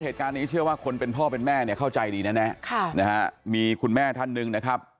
เหตุการณ์นี้เชื่อว่าคนเป็นพ่อเป็นแม่เนี่ยเข้าใจดีแน่ค่ะนะฮะมีคุณแม่ท่านหนึ่งนะครับ